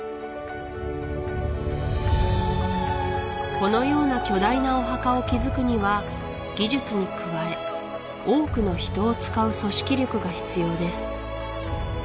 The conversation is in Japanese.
このような巨大なお墓を築くには技術に加え多くの人を使う組織力が必要です